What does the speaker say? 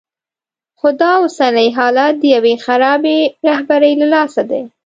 خو دا اوسنی حالت د یوې خرابې رهبرۍ له لاسه دی.